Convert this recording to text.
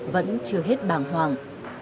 vẫn chưa hết bàng hoàng